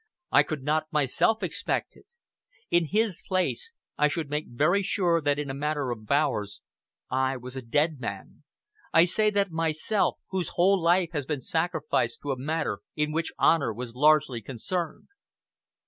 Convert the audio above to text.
I could not myself expect it. In his place I should make very sure that in a matter of hours I was a dead man. I say that myself, whose whole life has been sacrificed to a matter in which honor was largely concerned."